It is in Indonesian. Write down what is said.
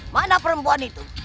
mana perempuan itu